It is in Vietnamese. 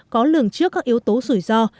có lường trước các yếu tố rủi ro